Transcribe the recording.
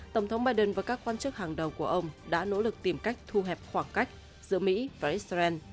tổng thống biden và các quan chức hàng đầu của ông đã nỗ lực tìm cách thu hẹp khoảng cách giữa mỹ và israel